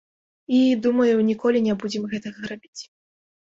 І, думаю, ніколі не будзем гэтага рабіць.